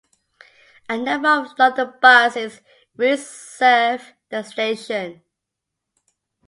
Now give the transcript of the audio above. A number of London Buses routes serve the station.